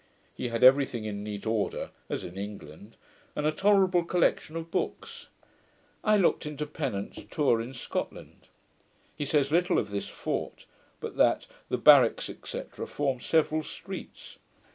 He had every thing in neat order as in England; and a tolerable collection of books. I looked into Pennant's Tour in Scotland. He says little of this fort; but that 'the barracks, &c. form several streets'.